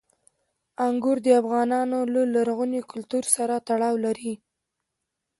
انګور د افغانانو له لرغوني کلتور سره تړاو لري.